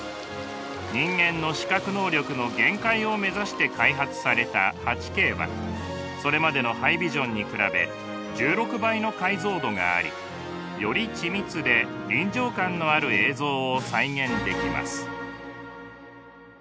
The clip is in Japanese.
人間の視覚能力の限界を目指して開発された８Ｋはそれまでのハイビジョンに比べ１６倍の解像度がありより緻密で臨場感のある映像を再現できます。